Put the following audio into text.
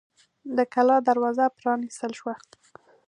د کلا دروازه پرانیستل شوه.